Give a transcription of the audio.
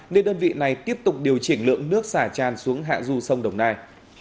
nên đơn vị này tiếp tục điều chỉnh lượng nước xả tràn xuống hạ du sông đồng nai